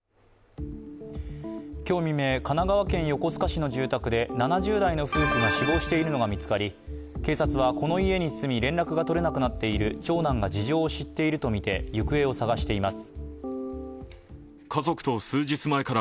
今日未明、神奈川県横須賀市の住宅で７０代の夫婦が死亡しているのが見つかり、警察は、この家に住み連絡が取れなくなっている長男が事情を知っているとみて、行方を捜しています。